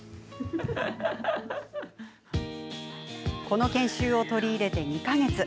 この研修を取り入れて２か月。